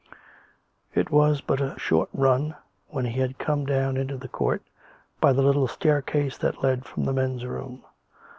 It was but a short run when he had come down into the court, by the little staircase that led from the men's rooms ; 118 COME RACK! COME ROPE!